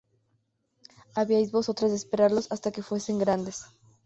¿Habíais vosotras de esperarlos hasta que fuesen grandes?